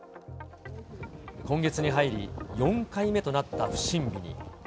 今月に入り、４回目となった不審火に。